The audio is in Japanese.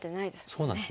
そうなんですね。